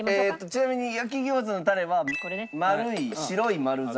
ちなみに焼餃子のタレは丸い白い丸皿。